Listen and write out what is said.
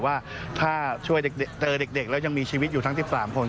ว่าถ้าช่วยเจอเด็กแล้วยังมีชีวิตอยู่ทั้ง๑๓คน